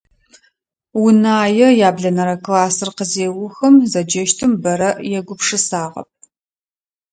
Унае яблэнэрэ классыр къызеухым, зэджэщтым бэрэ егупшысагъэп.